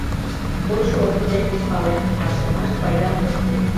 Кочо опытем гыч палем: вашкымаш пайдам ок пу.